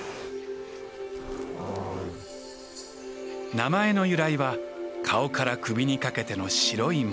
名前の由来は顔から首にかけての白い模様。